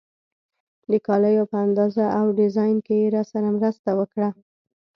د کالیو په اندازه او ډیزاین کې یې راسره مرسته وکړه.